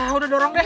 udah dorong deh